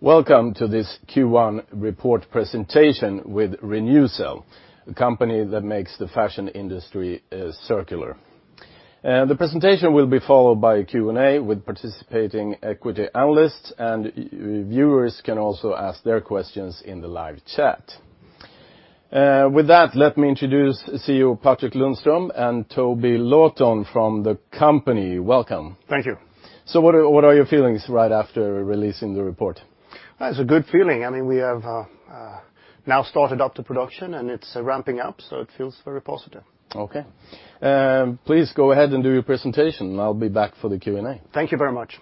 Welcome to this Q1 report presentation with Re:NewCell, a company that makes the fashion industry circular. The presentation will be followed by a Q&A with participating equity analysts, and viewers can also ask their questions in the live chat. With that, let me introduce CEO Patrik Lundström and Toby Lawton from the company. Welcome. Thank you. What are your feelings right after releasing the report? It's a good feeling. We have now started up the production, and it's ramping up, so it feels very positive. Okay. Please go ahead and do your presentation, and I'll be back for the Q&A. Thank you very much.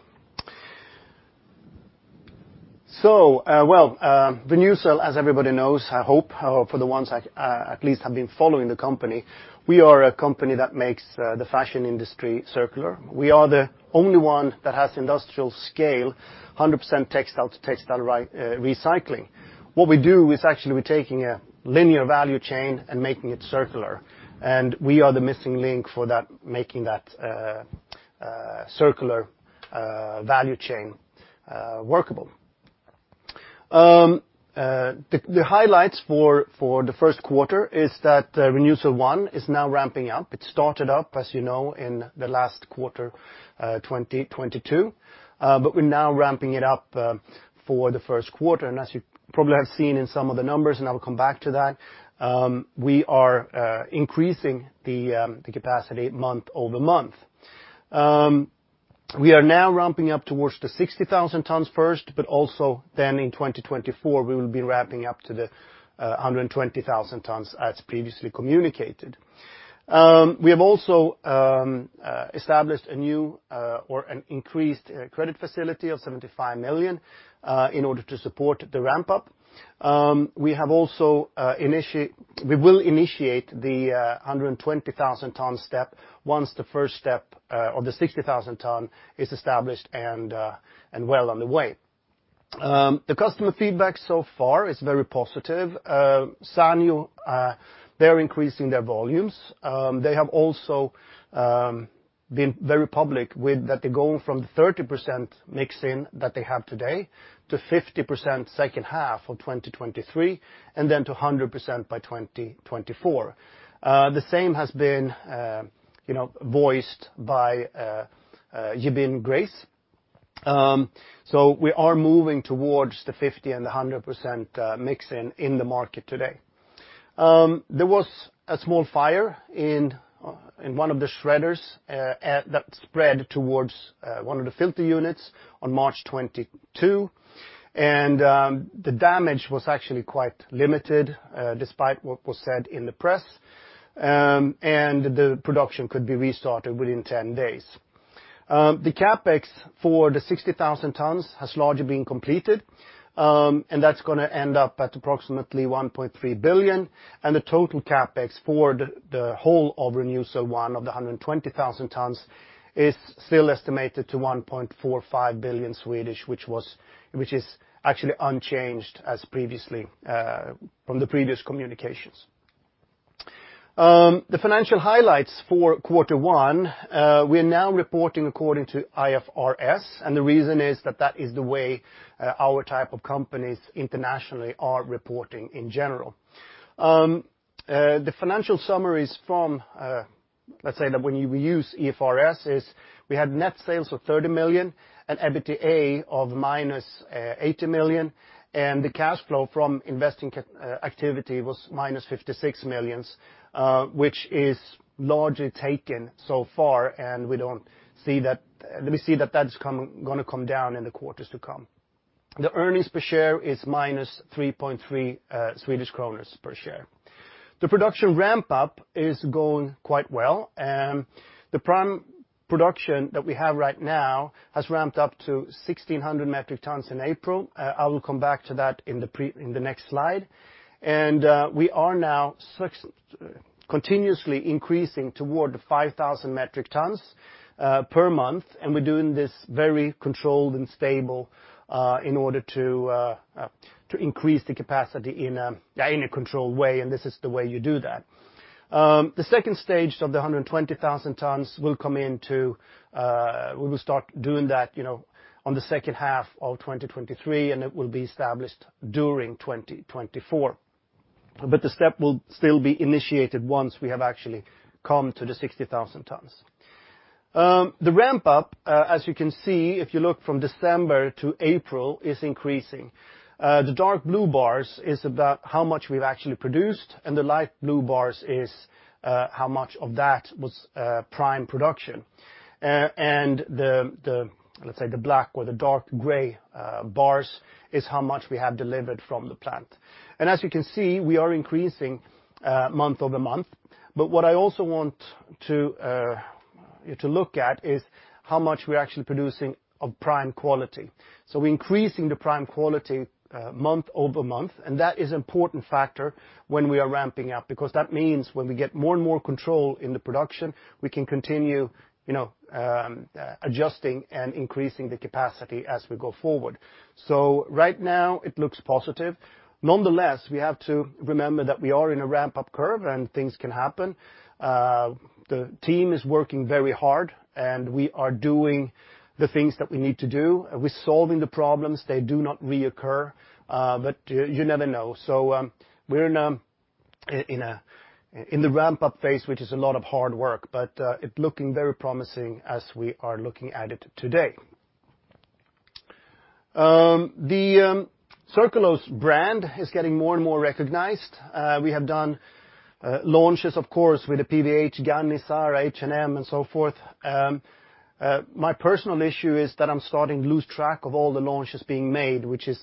Re:NewCell, as everybody knows, I hope, for the ones at least that have been following the company, we are a company that makes the fashion industry circular. We are the only one that has industrial-scale, 100% textile-to-textile recycling. What we do is actually we're taking a linear value chain and making it circular. We are the missing link for making that circular value chain workable. The highlights for the first quarter is that Renewcell 1 is now ramping up. It started up, as you know, in the last quarter of 2022. We're now ramping it up for the first quarter. As you probably have seen in some of the numbers, and I will come back to that, we are increasing the capacity month-over-month. We are now ramping up towards the 60,000 tons first, but also then in 2024, we will be ramping up to the 120,000 tons as previously communicated. We have also established a new or an increased credit facility of 75 million in order to support the ramp-up. We will initiate the 120,000-ton step once the first step of the 60,000 tons is established and well on the way. The customer feedback so far is very positive. Sanyou, they're increasing their volumes. They have also been very public that they're going from the 30% mix-in that they have today to 50% second half of 2023, and then to 100% by 2024. The same has been voiced by Yibin Grace. We are moving towards the 50% and the 100% mix-in in the market today. There was a small fire in one of the shredders that spread towards one of the filter units on March 22. The damage was actually quite limited, despite what was said in the press. The production could be restarted within 10 days. The CapEx for the 60,000 tons has largely been completed, and that's going to end up at approximately 1.3 billion. The total CapEx for the whole of Re:NewCell 1 of the 120,000 tons is still estimated to 1.45 billion, which is actually unchanged from the previous communications. The financial highlights for quarter one, we are now reporting according to IFRS. The reason is that that is the way our type of companies internationally are reporting in general. The financial summaries when we use IFRS, we had net sales of 30 million and EBITDA of -80 million. The cash flow from investing activity was -56 million, which is largely taken so far. We see that that's going to come down in the quarters to come. The earnings per share is -3.3 Swedish kronor per share. The production ramp-up is going quite well. The prime production that we have right now has ramped up to 1,600 metric tons in April. I will come back to that in the next slide. We are now continuously increasing toward the 5,000 metric tons per month, and we're doing this very controlled and stable in order to increase the capacity in a controlled way. This is the way you do that. The second stage of the 120,000 tons, we will start doing that on the second half of 2023. It will be established during 2024. The step will still be initiated once we have actually come to the 60,000 tons. The ramp-up, as you can see, if you look from December to April, is increasing. The dark blue bars is about how much we've actually produced, and the light blue bars is how much of that was prime production. The black or the dark gray bars is how much we have delivered from the plant. As you can see, we are increasing month-over-month. What I also want you to look at is how much we're actually producing of prime quality. We're increasing the prime quality month-over-month. That is an important factor when we are ramping up, because that means when we get more and more control in the production, we can continue adjusting and increasing the capacity as we go forward. Right now, it looks positive. Nonetheless, we have to remember that we are in a ramp-up curve, and things can happen. The team is working very hard, and we are doing the things that we need to do. We're solving the problems. They do not reoccur, but you never know. We're in a in the ramp-up phase, which is a lot of hard work, but it looking very promising as we are looking at it today. The Circulose brand is getting more and more recognized. We have done launches, of course, with the PVH, Ganni, H&M, and so forth. My personal issue is that I'm starting to lose track of all the launches being made, which is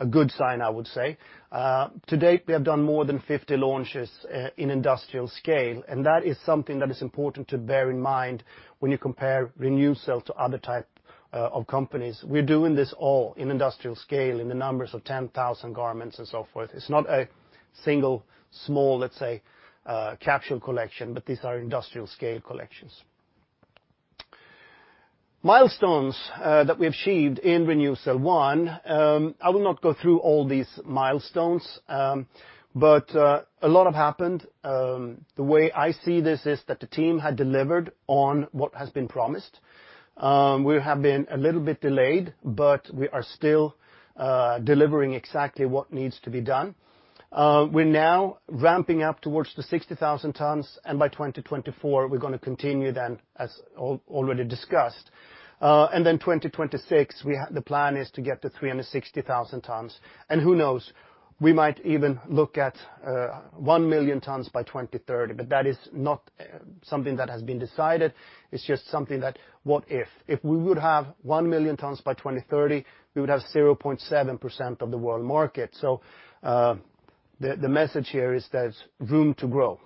a good sign, I would say. To date, we have done more than 50 launches in industrial scale. That is something that is important to bear in mind when you compare Re:NewCell to other type of companies. We're doing this all in industrial scale in the numbers of 10,000 garments and so forth. It's not a single small, let's say, capsule collection, but these are industrial scale collections. Milestones that we have achieved in Renewcell 1, I will not go through all these milestones. A lot have happened. The way I see this is that the team had delivered on what has been promised. We have been a little bit delayed, but we are still delivering exactly what needs to be done. We're now ramping up towards the 60,000 tons. By 2024 we're going to continue then, as already discussed. 2026, the plan is to get to 360,000 tons. Who knows? We might even look at 1 million tons by 2030. That is not something that has been decided, it's just something that, what if. If we would have 1 million tons by 2030, we would have 0.7% of the world market. The message here is there's room to grow.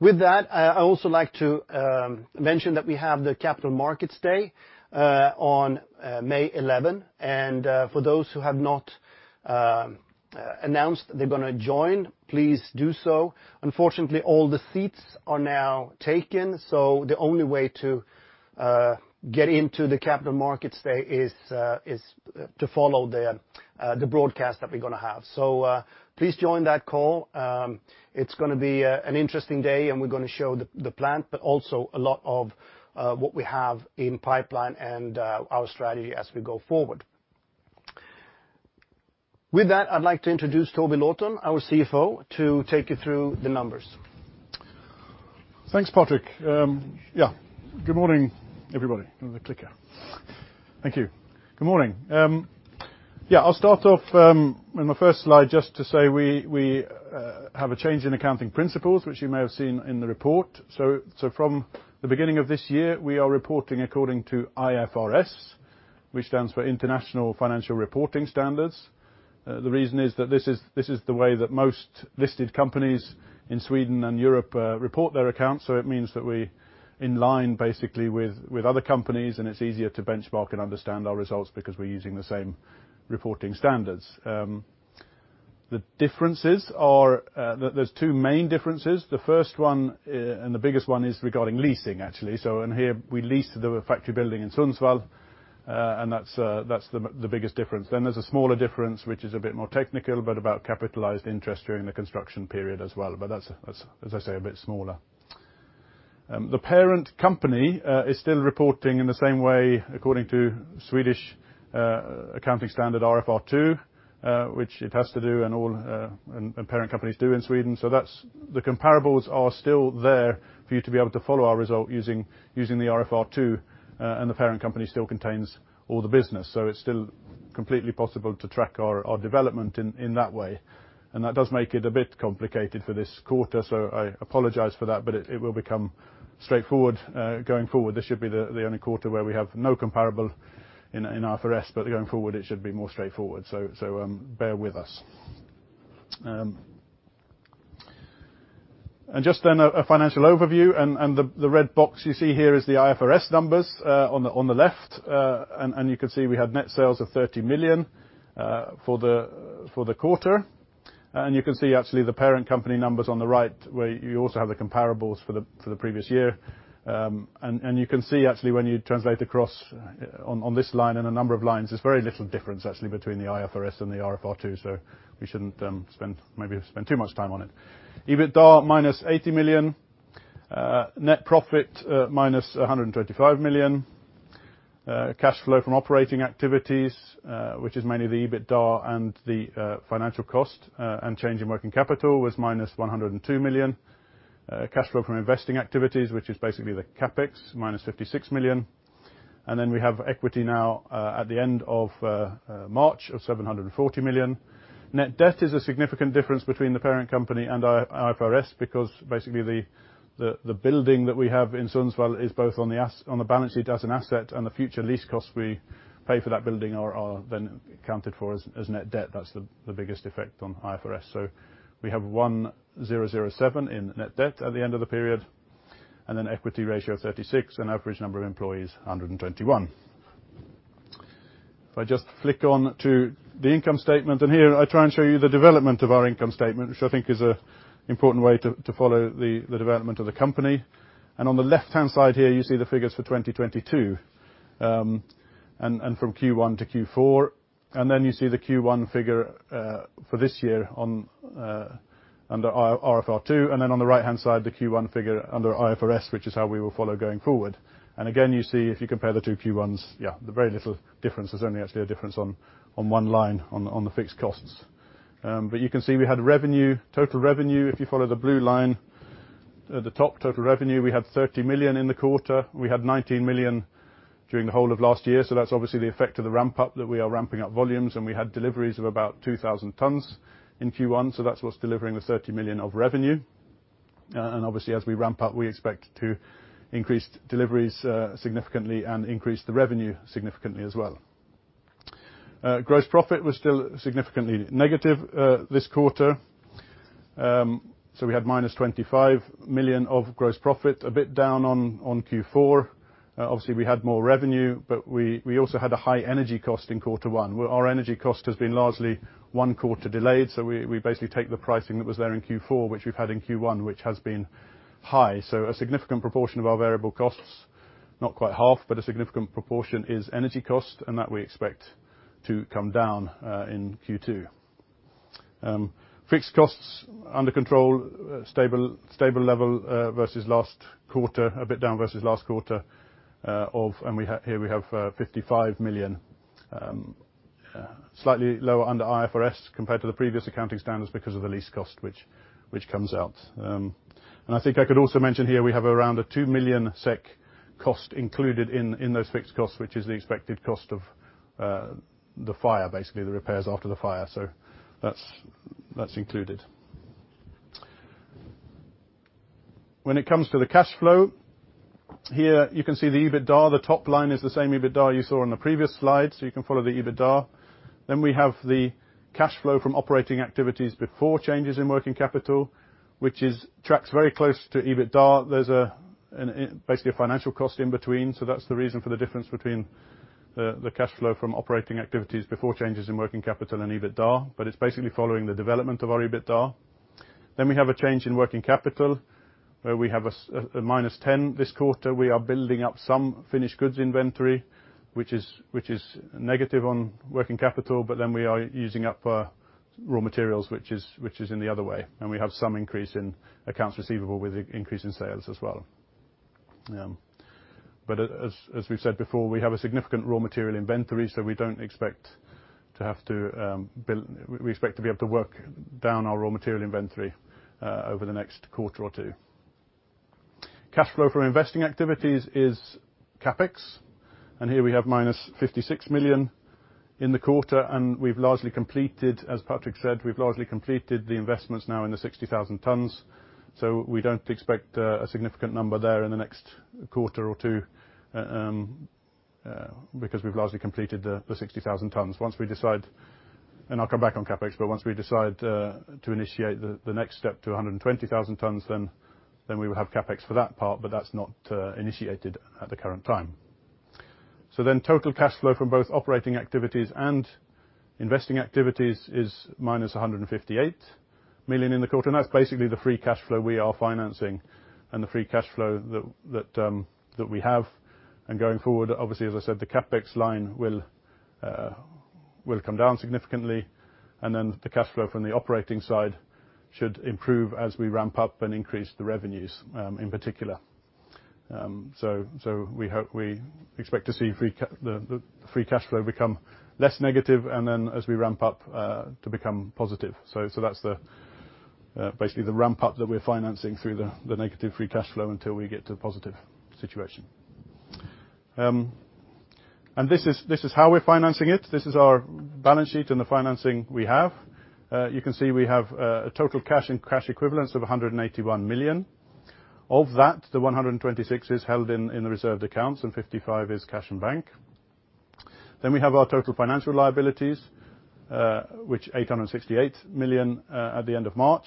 With that, I also like to mention that we have the Capital Markets Day on May 11. For those who have not announced they're going to join, please do so. Unfortunately, all the seats are now taken, so the only way to get into the Capital Markets Day is to follow the broadcast that we're going to have. Please join that call. It's going to be an interesting day and we're going to show the plant, but also a lot of what we have in pipeline and our strategy as we go forward. With that, I'd like to introduce Toby Lawton, our CFO, to take you through the numbers. Thanks, Patrik. Good morning, everybody. The clicker. Thank you. Good morning. I'll start off in my first slide just to say we have a change in accounting principles, which you may have seen in the report. From the beginning of this year, we are reporting according to IFRS, which stands for International Financial Reporting Standards. The reason is that this is the way that most listed companies in Sweden and Europe report their accounts, it means that we're in line basically with other companies, and it's easier to benchmark and understand our results because we're using the same reporting standards. The differences are, there's two main differences. The first one, and the biggest one, is regarding leasing, actually. In here, we leased the factory building in Sundsvall, and that's the biggest difference. There's a smaller difference, which is a bit more technical, but about capitalized interest during the construction period as well. That's, as I say, a bit smaller. The parent company is still reporting in the same way according to Swedish accounting standard RFR 2, which it has to do and all parent companies do in Sweden. The comparables are still there for you to be able to follow our result using the IFR2, and the parent company still contains all the business. It's still completely possible to track our development in that way. That does make it a bit complicated for this quarter, so I apologize for that, but it will become straightforward, going forward. This should be the only quarter where we have no comparable in IFRS, but going forward it should be more straightforward. Bear with us. Just then, a financial overview, the red box you see here is the IFRS numbers, on the left. You can see we had net sales of 30 million for the quarter. You can see actually the parent company numbers on the right, where you also have the comparables for the previous year. You can see actually when you translate across on this line and a number of lines, there's very little difference actually between the IFRS and the IFRS, so we shouldn't maybe spend too much time on it. EBITDA, minus 80 million. Net profit, minus 125 million. Cash flow from operating activities, which is mainly the EBITDA and the financial cost, and change in working capital was minus 102 million. Cash flow from investing activities, which is basically the CapEx, minus 56 million. Then we have equity now, at the end of March, of 740 million. Net debt is a significant difference between the parent company and IFRS because basically the building that we have in Sundsvall is both on the balance sheet as an asset and the future lease costs we pay for that building are then accounted for as net debt. That's the biggest effect on IFRS. We have 1,007 million in net debt at the end of the period, and then equity ratio 36%, and average number of employees 121. If I just flick on to the income statement, here I try and show you the development of our income statement, which I think is an important way to follow the development of the company. On the left-hand side here, you see the figures for 2022, and from Q1 to Q4. Then you see the Q1 figure, for this year under IFRS, and then on the right-hand side, the Q1 figure under IFRS, which is how we will follow going forward. Again, you see if you compare the two Q1s, yeah, very little difference. There's only actually a difference on one line, on the fixed costs. You can see we had revenue, total revenue, if you follow the blue line At the top, total revenue. We had 30 million in the quarter. We had 19 million during the whole of last year. That's obviously the effect of the ramp-up, that we are ramping up volumes. We had deliveries of about 2,000 tons in Q1, so that's what's delivering the 30 million of revenue. Obviously, as we ramp up, we expect to increase deliveries significantly and increase the revenue significantly as well. Gross profit was still significantly negative this quarter. We had minus 25 million of gross profit, a bit down on Q4. Obviously, we had more revenue, but we also had a high energy cost in quarter one, where our energy cost has been largely one quarter delayed. We basically take the pricing that was there in Q4, which we've had in Q1, which has been high. A significant proportion of our variable costs, not quite half, but a significant proportion is energy cost, and that we expect to come down in Q2. Fixed costs, under control, stable level versus last quarter. A bit down versus last quarter, and here we have 55 million. Slightly lower under IFRS compared to the previous accounting standards because of the lease cost, which comes out. I think I could also mention here we have around a 2 million SEK cost included in those fixed costs, which is the expected cost of the fire, basically, the repairs after the fire. That's included. When it comes to the cash flow, here you can see the EBITDA. The top line is the same EBITDA you saw on the previous slide, you can follow the EBITDA. We have the cash flow from operating activities before changes in working capital, which tracks very close to EBITDA. There's basically a financial cost in between, that's the reason for the difference between the cash flow from operating activities before changes in working capital and EBITDA. It's basically following the development of our EBITDA. We have a change in working capital, where we have a minus 10 this quarter. We are building up some finished goods inventory, which is negative on working capital, we are using up raw materials, which is in the other way. We have some increase in accounts receivable with the increase in sales as well. As we've said before, we have a significant raw material inventory, we expect to be able to work down our raw material inventory over the next quarter or two. Cash flow from investing activities is CapEx, and here we have minus 56 million in the quarter, and we've largely completed, as Patrik said, we've largely completed the investments now in the 60,000 tons. We don't expect a significant number there in the next quarter or two, because we've largely completed the 60,000 tons. Once we decide, and I'll come back on CapEx, once we decide to initiate the next step to 120,000 tons, we will have CapEx for that part, that's not initiated at the current time. Total cash flow from both operating activities and investing activities is minus 158 million in the quarter, and that's basically the free cash flow we are financing and the free cash flow that we have. Going forward, obviously, as I said, the CapEx line will come down significantly, the cash flow from the operating side should improve as we ramp up and increase the revenues, in particular. We expect to see the free cash flow become less negative, as we ramp up, to become positive. That's basically the ramp-up that we're financing through the negative free cash flow until we get to a positive situation. This is how we're financing it. This is our balance sheet and the financing we have. You can see we have a total cash and cash equivalents of 181 million. Of that, the 126 is held in the reserved accounts, and 55 is cash in bank. We have our total financial liabilities, which 868 million at the end of March.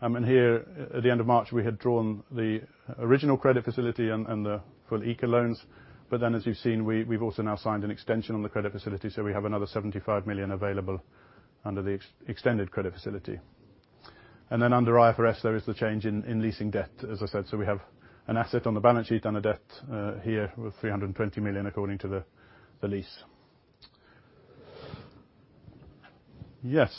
Here, at the end of March, we had drawn the original credit facility and for the ECA loans. As you've seen, we've also now signed an extension on the credit facility, we have another 75 million available under the extended credit facility. Under IFRS, there is the change in leasing debt, as I said. We have an asset on the balance sheet and a debt here of 320 million, according to the lease. Yes.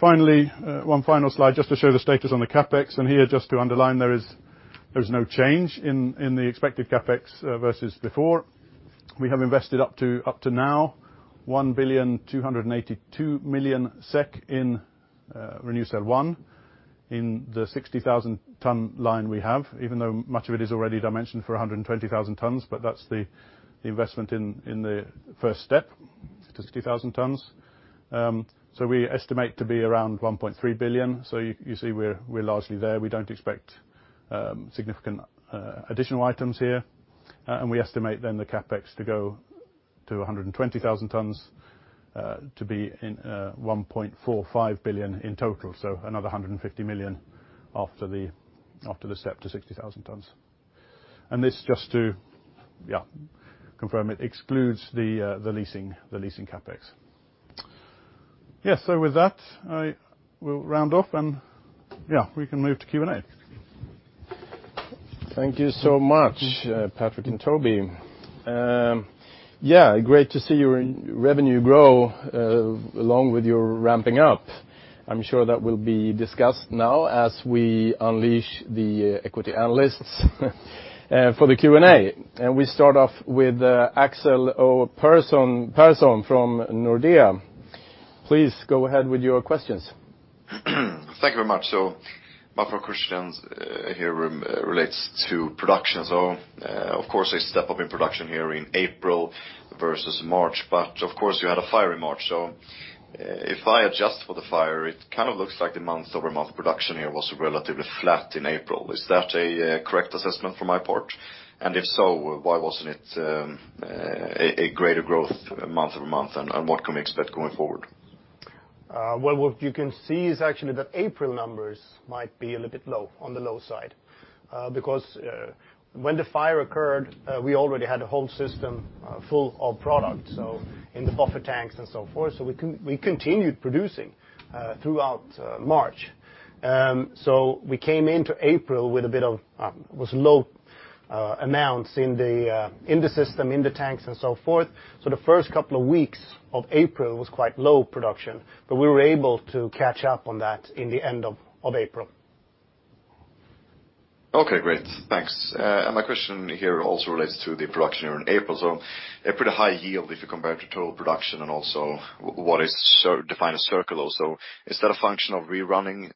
Finally, one final slide just to show the status on the CapEx. Here, just to underline, there is no change in the expected CapEx versus before. We have invested up to now, 1.282 billion SEK in Re:NewCell 1, in the 60,000-ton line we have. Even though much of it is already dimensioned for 120,000 tons, that's the investment in the first step to 60,000 tons. We estimate to be around 1.3 billion. You see we're largely there. We don't expect significant additional items here. We estimate then the CapEx to go to 120,000 tons to be 1.45 billion in total, another 150 million after the step to 60,000 tons. This just to confirm it excludes the leasing CapEx. Yeah. With that, I will round off, yeah, we can move to Q&A. Thank you so much, Patrik and Toby. Yeah, great to see your revenue grow along with your ramping up. I'm sure that will be discussed now as we unleash the equity analysts for the Q&A. We start off with Axel Persson from Nordea. Please go ahead with your questions. Thank you very much. My first question here relates to production. Of course, a step up in production here in April versus March, of course you had a fire in March. If I adjust for the fire, it kind of looks like the month-over-month production here was relatively flat in April. Is that a correct assessment from my part? If so, why wasn't it a greater growth month-over-month, and what can we expect going forward? What you can see is actually that April numbers might be a little bit low, on the low side, because when the fire occurred, we already had a whole system full of product, so in the buffer tanks and so forth. We continued producing throughout March. We came into April with low amounts in the system, in the tanks and so forth. The first couple of weeks of April was quite low production, but we were able to catch up on that in the end of April. Okay, great. Thanks. My question here also relates to the production here in April. A pretty high yield if you compare to total production and also what is defined as Circulose. Is that a function of rerunning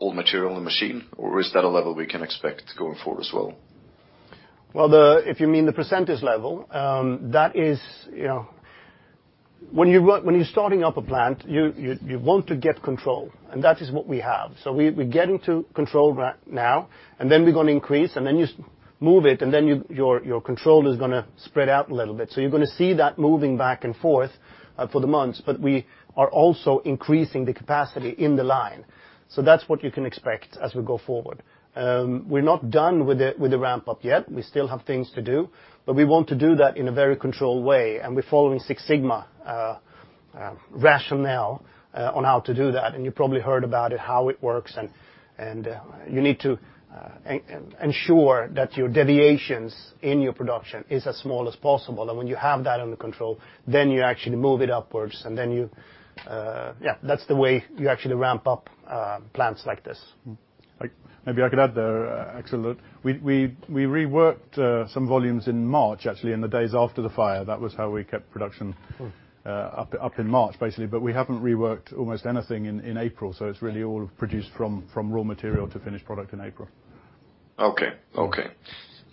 old material in the machine, or is that a level we can expect going forward as well? Well, if you mean the percentage level, when you're starting up a plant, you want to get control, and that is what we have. We're getting to control now, and then we're going to increase, and then you move it, and then your control is going to spread out a little bit. You're going to see that moving back and forth for the months. We are also increasing the capacity in the line. That's what you can expect as we go forward. We're not done with the ramp-up yet. We still have things to do. We want to do that in a very controlled way, and we're following Six Sigma rationale on how to do that. You probably heard about it, how it works, and you need to ensure that your deviations in your production is as small as possible. When you have that under control, then you actually move it upwards, that's the way you actually ramp up plants like this. Maybe I could add there, Axel, that we reworked some volumes in March, actually, in the days after the fire. That was how we kept production up in March, basically. We haven't reworked almost anything in April, it's really all produced from raw material to finished product in April. Okay.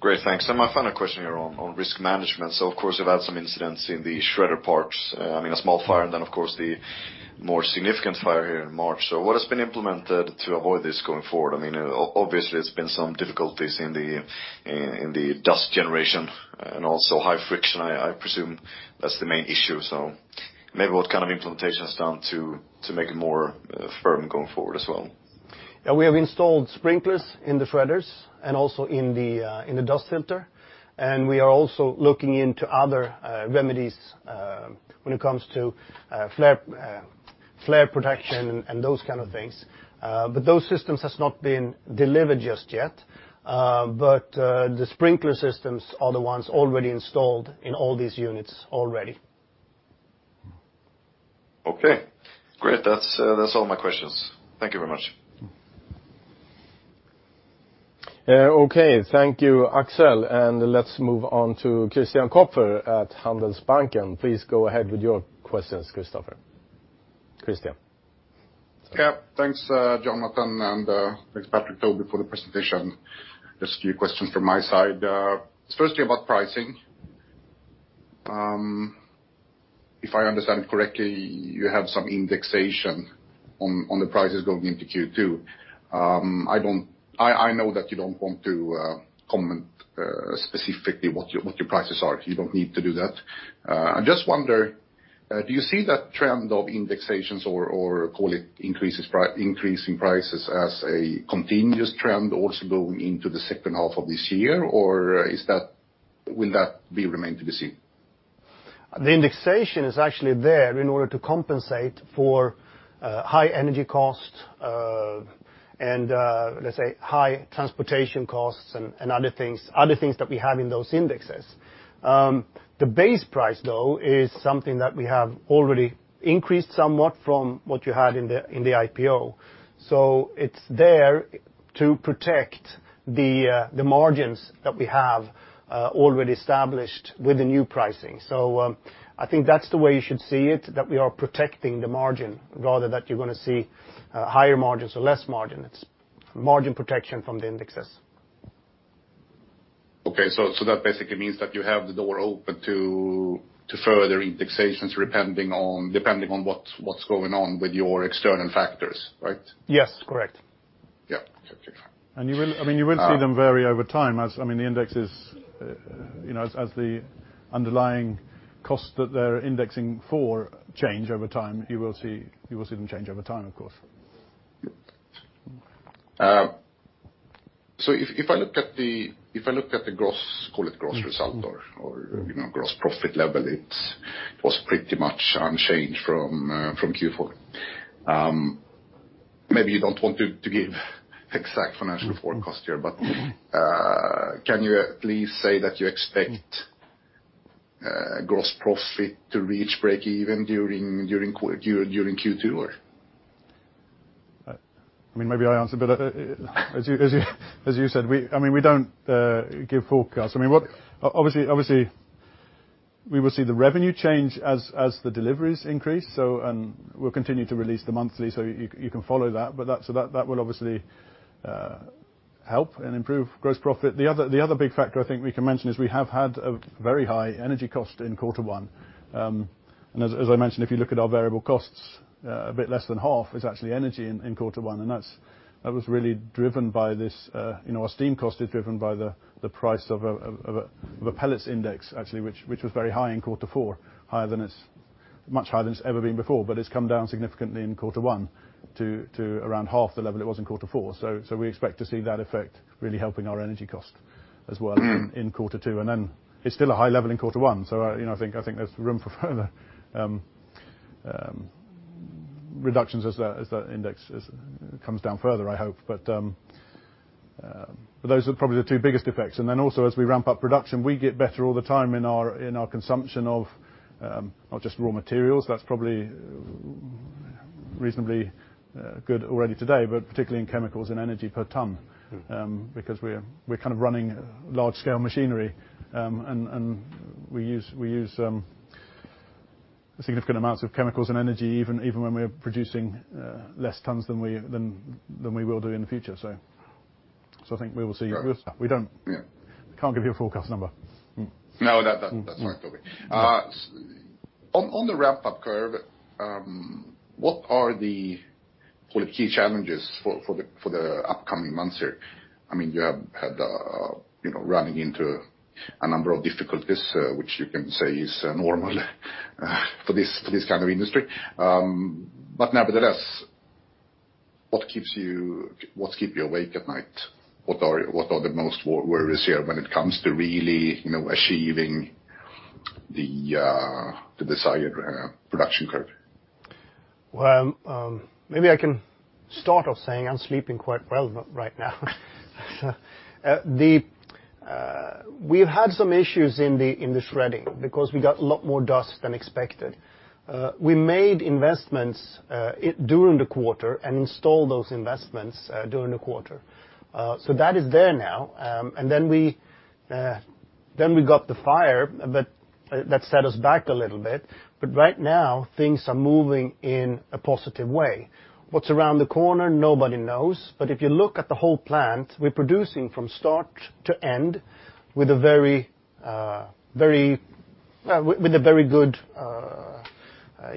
Great, thanks. My final question here on risk management. Of course, you've had some incidents in the shredder parts, I mean, a small fire and then, of course, the more significant fire here in March. What has been implemented to avoid this going forward? I mean obviously, there's been some difficulties in the dust generation and also high friction. I presume that's the main issue. Maybe what kind of implementation is done to make it more firm going forward as well? Yeah, we have installed sprinklers in the shredders and also in the dust filter. We are also looking into other remedies when it comes to fire protection and those kind of things. Those systems has not been delivered just yet. The sprinkler systems are the ones already installed in all these units already. Okay, great. That's all my questions. Thank you very much. Okay. Thank you, Axel. Let's move on to Christian Kopfer at Handelsbanken. Please go ahead with your questions, Christian. Yeah. Thanks, Jonathan. Thanks, Patrik and Toby, for the presentation. Just a few questions from my side. Firstly, about pricing. If I understand correctly, you have some indexation on the prices going into Q2. I know that you don't want to comment specifically what your prices are. You don't need to do that. I just wonder, do you see that trend of indexations or call it increasing prices as a continuous trend also going into the second half of this year, or will that be remain to be seen? The indexation is actually there in order to compensate for high energy cost, let's say, high transportation costs and other things that we have in those indexes. The base price, though, is something that we have already increased somewhat from what you had in the IPO. It's there to protect the margins that we have already established with the new pricing. I think that's the way you should see it, that we are protecting the margin rather that you're going to see higher margins or less margin. It's margin protection from the indexes. Okay. That basically means that you have the door open to further indexations depending on what's going on with your external factors, right? Yes, correct. Yeah. Okay. You will see them vary over time as the underlying costs that they're indexing for change over time, you will see them change over time, of course. If I look at the gross, call it gross result or gross profit level, it was pretty much unchanged from Q4. Maybe you don't want to give exact financial forecast here, but can you please say that you expect gross profit to reach break even during Q2? Maybe I answer. As you said, we don't give forecasts. Obviously, we will see the revenue change as the deliveries increase, and we will continue to release the monthly, so you can follow that. That will obviously help and improve gross profit. The other big factor I think we can mention is we have had a very high energy cost in quarter one. As I mentioned, if you look at our variable costs, a bit less than half is actually energy in quarter one. That was really driven by this. Our steam cost is driven by the price of a pellets index, actually, which was very high in quarter four, much higher than it has ever been before. It has come down significantly in quarter one to around half the level it was in quarter four. We expect to see that effect really helping our energy cost as well in quarter two. Then it is still a high level in quarter one, so I think there is room for further reductions as that index comes down further, I hope. Those are probably the two biggest effects. Then also as we ramp up production, we get better all the time in our consumption of not just raw materials. That is probably reasonably good already today, but particularly in chemicals and energy per ton, because we are kind of running large scale machinery, and we use significant amounts of chemicals and energy even when we are producing less tons than we will do in the future. I think we will see good stuff. We can't give you a forecast number. No, that is fine, Toby. On the ramp-up curve, what are the key challenges for the upcoming months here? You have had running into a number of difficulties, which you can say is normal for this kind of industry. Nevertheless, what keeps you awake at night? What are the most worries here when it comes to really achieving the desired production curve? Maybe I can start off saying I am sleeping quite well right now. We have had some issues in the shredding, because we got a lot more dust than expected. We made investments during the quarter and installed those investments during the quarter. That is there now. Then we got the fire that set us back a little bit. Right now, things are moving in a positive way. What is around the corner, nobody knows. If you look at the whole plant, we are producing from start to end with a very good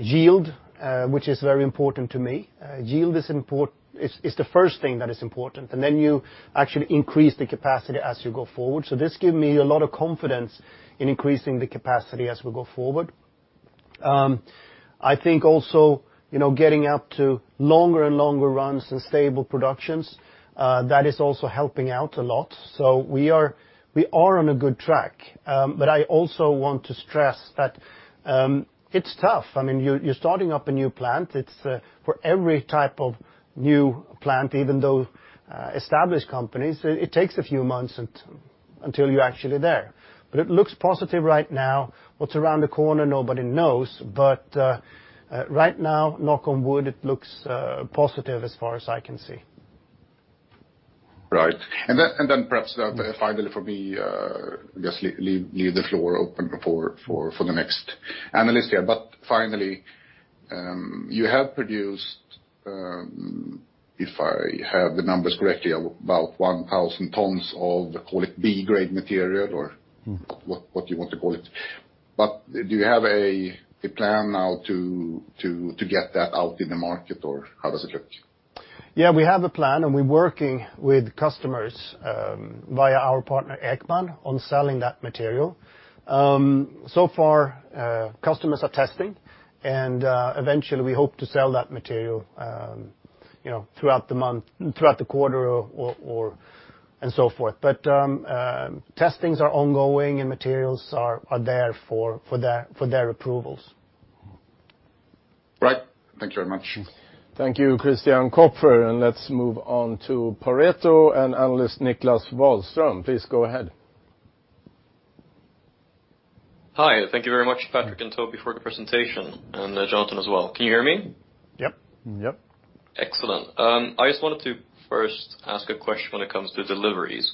yield, which is very important to me. Yield is the first thing that is important. Then you actually increase the capacity as you go forward. This gives me a lot of confidence in increasing the capacity as we go forward. I think also, getting up to longer and longer runs and stable productions, that is also helping out a lot. We are on a good track. I also want to stress that it's tough. You're starting up a new plant. For every type of new plant, even though established companies, it takes a few months until you're actually there. It looks positive right now. What's around the corner, nobody knows. Right now, knock on wood, it looks positive as far as I can see. Right. Perhaps finally for me, just leave the floor open for the next analyst here. Finally, you have produced, if I have the numbers correctly, about 1,000 tons of, call it B grade material or what you want to call it. Do you have a plan now to get that out in the market, or how does it look? We have a plan, we're working with customers via our partner Ekman on selling that material. So far, customers are testing, eventually we hope to sell that material throughout the quarter and so forth. Testings are ongoing, and materials are there for their approvals. Right. Thank you very much. Thank you, Christian Kopfer. Let's move on to Pareto and Analyst Niklas Wahlström. Please go ahead. Hi. Thank you very much, Patrik and Toby, for the presentation. Jonathan as well. Can you hear me? Yep. Yep. Excellent. I just wanted to first ask a question when it comes to deliveries.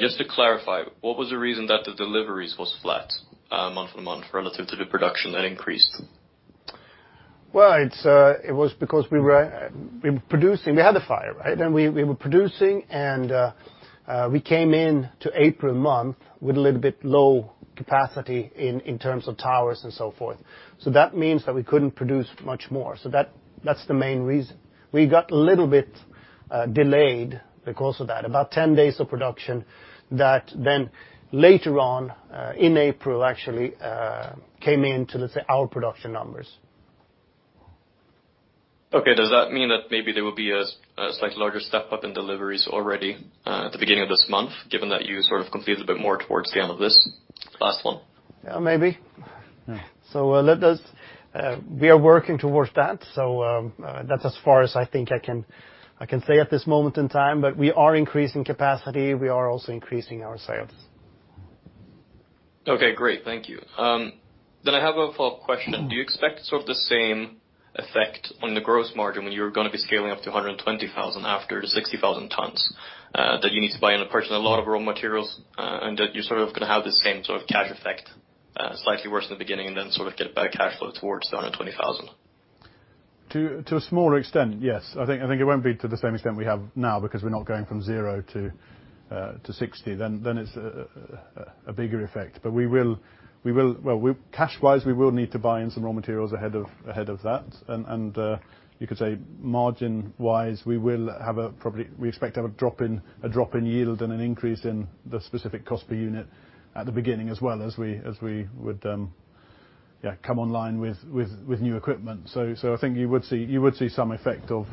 Just to clarify, what was the reason that the deliveries was flat month-on-month relative to the production that increased? Well, it was because we had a fire, right? We were producing. We came into April month with a little bit low capacity in terms of towers and so forth. That means that we couldn't produce much more. That's the main reason. We got a little bit delayed because of that, about 10 days of production that later on, in April actually, came into, let's say, our production numbers. Okay. Does that mean that maybe there will be a slightly larger step-up in deliveries already at the beginning of this month, given that you sort of completed a bit more towards the end of this last one? Yeah, maybe. We are working towards that. That's as far as I think I can say at this moment in time, but we are increasing capacity. We are also increasing our sales. Okay, great. Thank you. I have a follow-up question. Do you expect the same effect on the gross margin when you're going to be scaling up to 120,000 after the 60,000 tons, that you need to buy and purchase a lot of raw materials, and that you're going to have the same sort of cash effect, slightly worse in the beginning, and then get better cash flow towards the 120,000? To a smaller extent, yes. I think it won't be to the same extent we have now, because we're not going from zero to 60. It's a bigger effect. Cash-wise, we will need to buy in some raw materials ahead of that. You could say margin-wise, we expect to have a drop in yield and an increase in the specific cost per unit at the beginning as well as we would come online with new equipment. I think you would see some effect of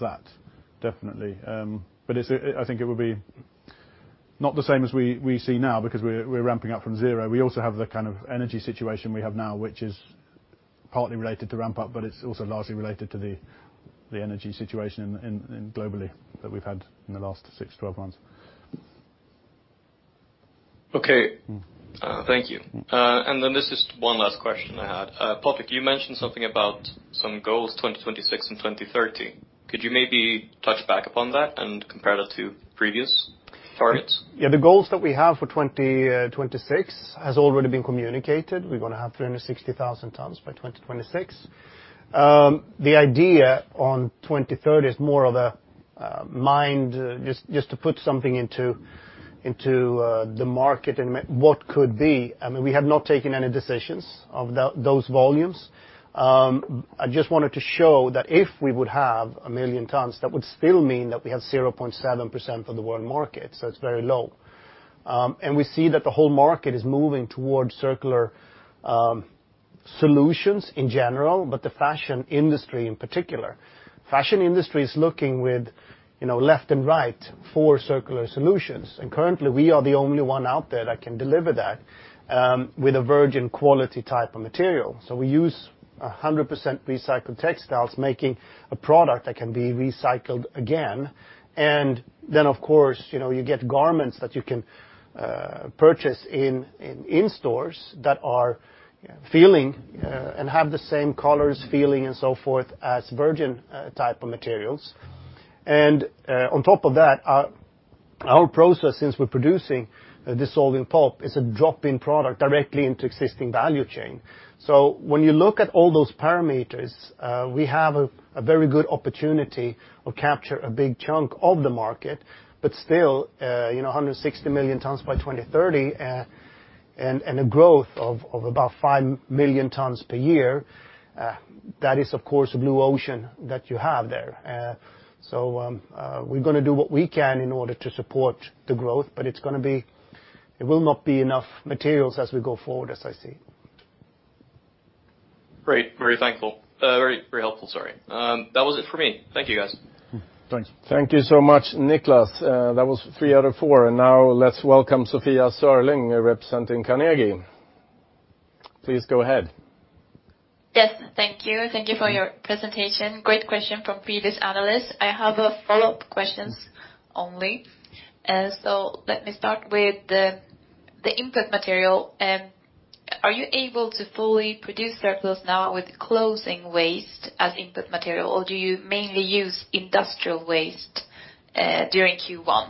that, definitely. I think it would be not the same as we see now because we're ramping up from zero. We also have the kind of energy situation we have now, which is partly related to ramp-up, but it's also largely related to the energy situation globally that we've had in the last 6 to 12 months. Okay. Thank you. This is one last question I had. Patrik, you mentioned something about some goals, 2026 and 2030. Could you maybe touch back upon that and compare that to previous targets? Yeah, the goals that we have for 2026 has already been communicated. We're going to have 360,000 tons by 2026. The idea on 2030 is more of a mind, just to put something into the market and what could be. We have not taken any decisions of those volumes. I just wanted to show that if we would have 1 million tons, that would still mean that we have 0.7% of the world market. It's very low. We see that the whole market is moving towards circular solutions in general, but the fashion industry in particular. Fashion industry is looking with left and right for circular solutions. Currently, we are the only one out there that can deliver that with a virgin quality type of material. We use 100% recycled textiles making a product that can be recycled again. Of course, you get garments that you can purchase in stores that are feeling and have the same colors, feeling, and so forth as virgin type of materials. On top of that, our whole process, since we're producing dissolving pulp, is a drop-in product directly into existing value chain. When you look at all those parameters, we have a very good opportunity to capture a big chunk of the market, but still, 160 million tons by 2030 and a growth of about 5 million tons per year. That is, of course, blue ocean that you have there. We're going to do what we can in order to support the growth, but it will not be enough materials as we go forward, as I see. Great. Very thankful. Very helpful, sorry. That was it for me. Thank you, guys. Thanks. Thank you so much, Niklas. That was three out of four. Now let's welcome Sofia Sörling, representing Carnegie. Please go ahead. Yes. Thank you. Thank you for your presentation. Great question from previous analyst. I have follow-up questions only. Let me start with the input material. Are you able to fully produce Circulose now with clothing waste as input material, or do you mainly use industrial waste during Q1?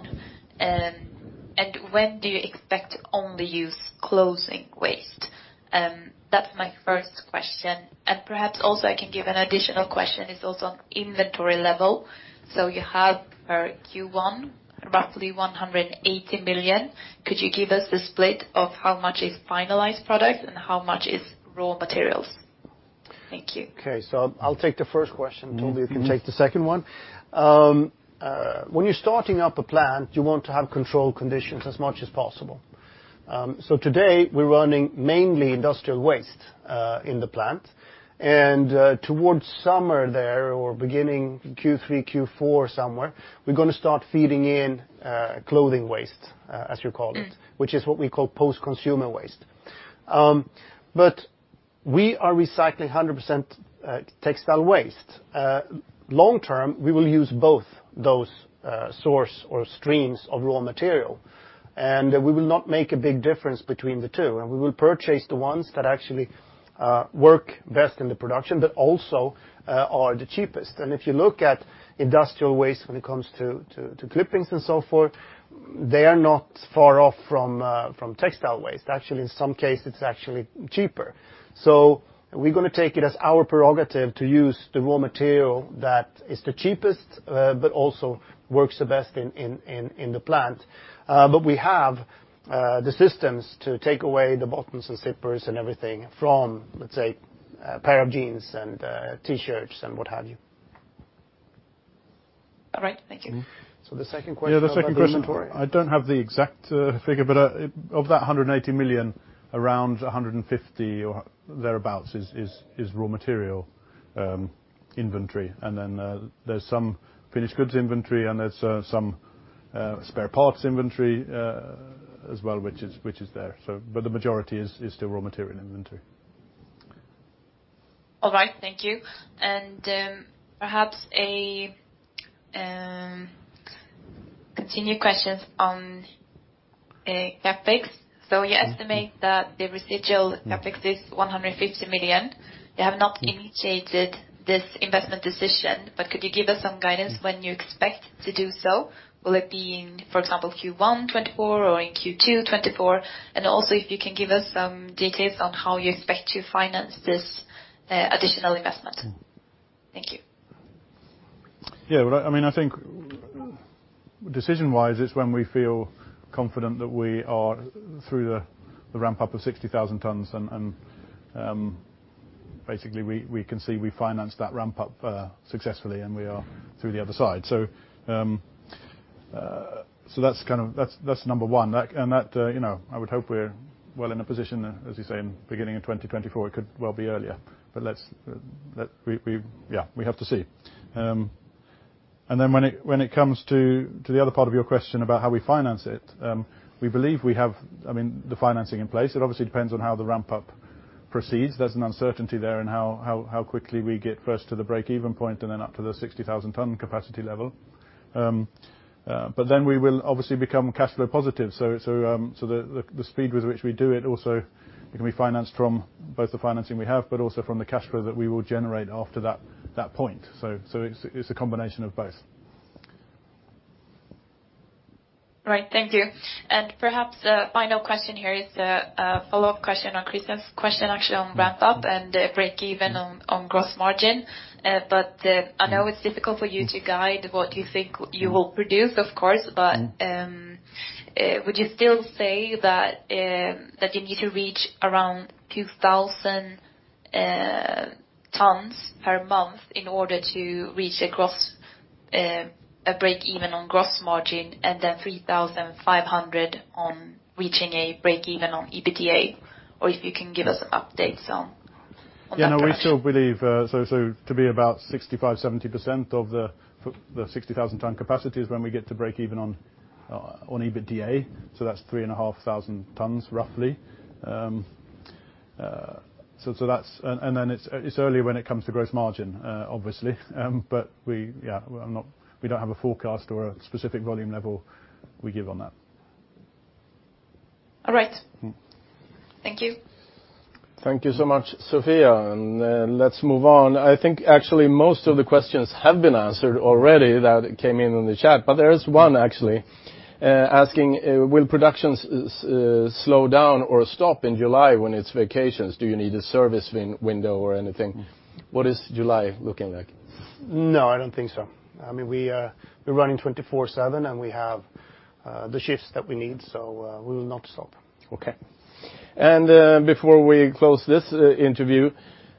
When do you expect to only use clothing waste? That's my first question. Perhaps also I can give an additional question is also on inventory level. You have for Q1, roughly 180 million. Could you give us the split of how much is finalized product and how much is raw materials? Thank you. Okay. I'll take the first question. Toby can take the second one. When you're starting up a plant, you want to have controlled conditions as much as possible. Today, we're running mainly industrial waste in the plant. Towards summer there, or beginning Q3, Q4 somewhere, we're going to start feeding in clothing waste, as you call it, which is what we call post-consumer waste. We are recycling 100% textile waste. Long-term, we will use both those source or streams of raw material, and we will not make a big difference between the two. We will purchase the ones that actually work best in the production but also are the cheapest. If you look at industrial waste when it comes to clippings and so forth, they are not far off from textile waste. Actually, in some cases, it's actually cheaper. We're going to take it as our prerogative to use the raw material that is the cheapest but also works the best in the plant. We have the systems to take away the buttons and zippers and everything from, let's say, a pair of jeans and T-shirts and what have you. All right. Thank you. The second question. Yeah, the second question. about the inventory. I don't have the exact figure. Of that 180 million, around 150 or thereabouts is raw material inventory. There's some finished goods inventory, there's some spare parts inventory as well, which is there. The majority is still raw material inventory. All right. Thank you. Perhaps a continued question on CapEx. You estimate that the residual CapEx is 150 million. You have not initiated this investment decision, could you give us some guidance when you expect to do so? Will it be in, for example, Q1 2024 or in Q2 2024? If you can give us some details on how you expect to finance this additional investment. Thank you. I think decision-wise, it's when we feel confident that we are through the ramp-up of 60,000 tons, and basically we can see we financed that ramp-up successfully, and we are through the other side. That's number one. I would hope we're well in a position, as you say, in the beginning of 2024. It could well be earlier. We have to see. When it comes to the other part of your question about how we finance it, we believe we have the financing in place. It obviously depends on how the ramp-up proceeds. There's an uncertainty there in how quickly we get first to the break-even point and then up to the 60,000-ton capacity level. We will obviously become cash flow positive. The speed with which we do it also, it can be financed from both the financing we have but also from the cash flow that we will generate after that point. It's a combination of both. Right. Thank you. Perhaps the final question here is a follow-up question on Christian's question actually on ramp-up and break-even on gross margin. I know it's difficult for you to guide what you think you will produce, of course, but would you still say that you need to reach around 2,000 tons per month in order to reach a break-even on gross margin and then 3,500 on reaching a break-even on EBITDA? Or if you can give us updates on that direction. Yeah, we still believe so to be about 65%-70% of the 60,000-ton capacity is when we get to break-even on EBITDA. That's 3,500 tons roughly. Then it's early when it comes to gross margin, obviously, but we don't have a forecast or a specific volume level we give on that. All right. Thank you. Thank you so much, Sofia. Let's move on. I think actually most of the questions have been answered already that came in on the chat, there is one actually asking: Will productions slow down or stop in July when it's vacations? Do you need a service window or anything? What is July looking like? No, I don't think so. We're running 24/7, and we have the shifts that we need, so we will not stop. Okay. Before we close this interview,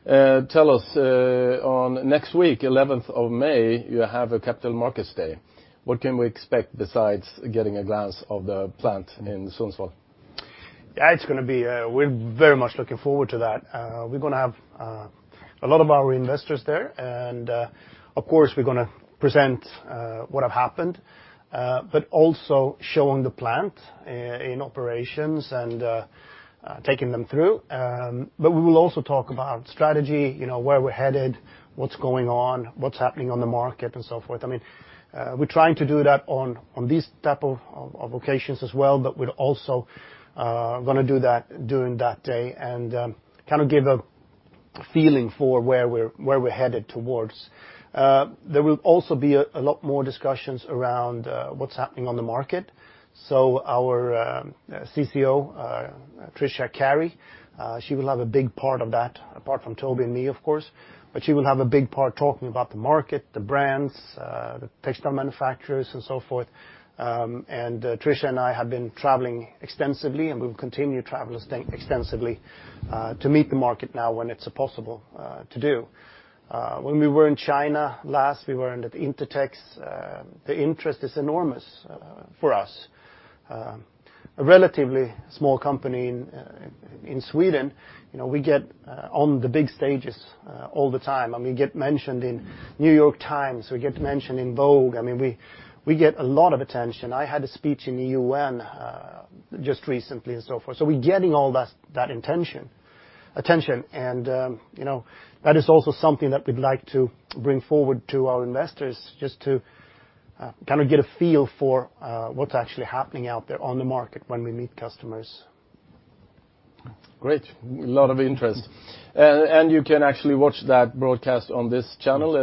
tell us, on next week, 11th of May, you have a capital markets day. What can we expect besides getting a glance of the plant in Sundsvall? Yeah, we're very much looking forward to that. We're going to have a lot of our investors there, and of course, we're going to present what has happened, but also showing the plant in operations and taking them through. We will also talk about strategy, where we're headed, what's going on, what's happening on the market, and so forth. We're trying to do that on these type of occasions as well, but we're also going to do that during that day and kind of give a feeling for where we're headed towards. There will also be a lot more discussions around what's happening on the market. Our CCO, Tricia Carey, she will have a big part of that, apart from Toby and me, of course, but she will have a big part talking about the market, the brands, the textile manufacturers, and so forth. Tricia and I have been traveling extensively, and we'll continue to travel extensively, to meet the market now when it's possible to do. When we were in China last, we were in at Intertext. The interest is enormous for us. A relatively small company in Sweden, we get on the big stages all the time, and we get mentioned in New York Times, we get mentioned in Vogue. We get a lot of attention. I had a speech in the UN just recently, and so forth. We're getting all that attention, and that is also something that we'd like to bring forward to our investors just to kind of get a feel for what's actually happening out there on the market when we meet customers. Great. A lot of interest. You can actually watch that broadcast on this channel,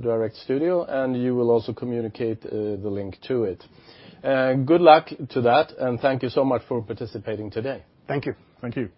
Direkt Studios. You will also communicate the link to it. Good luck with that. Thank you so much for participating today. Thank you. Thank you.